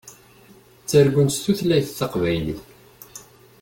Ttargun s tutlayt taqbaylit.